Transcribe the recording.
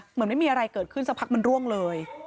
เหมือนไม่มีอะไรเกิดขึ้นสักพักมันร่วงเลย